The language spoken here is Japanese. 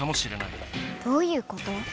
どういうこと？